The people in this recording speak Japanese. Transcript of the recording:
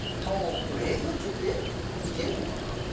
でも営業中って行けんのかな？